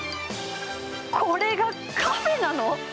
これがカフェなの？